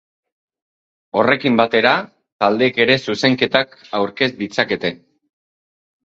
Horrekin batera, taldeek ere zuzenketak aurkez ditzakete.